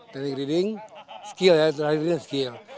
teknik reading skill ya terhadap reading skill